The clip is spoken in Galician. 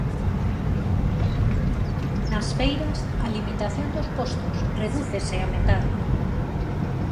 Nas feiras, a limitación dos postos redúcese á metade.